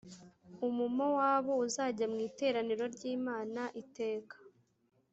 umumowabu uzajya mu iteraniro ry’imana iteka